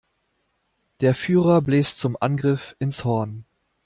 Der Führer bläst zum Angriff ins Horn.